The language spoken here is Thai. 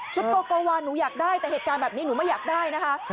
โตโกวาหนูอยากได้แต่เหตุการณ์แบบนี้หนูไม่อยากได้นะคะ